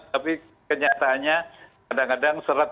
tapi kenyataannya kadang kadang serat